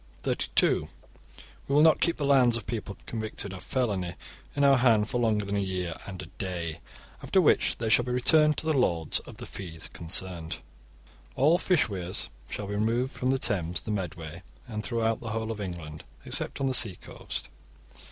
(32) We will not keep the lands of people convicted of felony in our hand for longer than a year and a day, after which they shall be returned to the lords of the 'fees' concerned. (33) All fish weirs shall be removed from the Thames, the Medway, and throughout the whole of England, except on the sea coast.